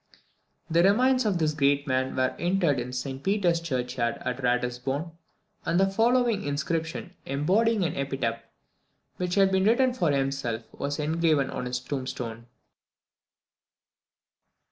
The remains of this great man were interred in St Peter's Churchyard at Ratisbon, and the following inscription, embodying an epitaph which he had written for himself, was engraven on his tombstone.